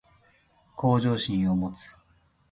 向上心を持つ